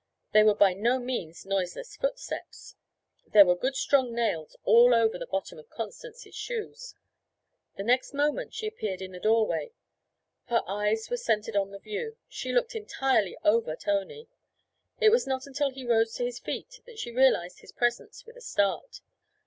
They were by no means noiseless footsteps; there were good strong nails all over the bottom of Constance's shoes. The next moment she appeared in the doorway. Her eyes were centred on the view; she looked entirely over Tony. It was not until he rose to his feet that she realized his presence with a start.